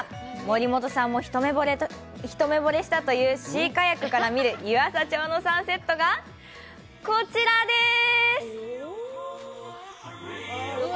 森本さんも一目惚れしたというシーカヤックから見る湯浅町のサンセットがこちらです！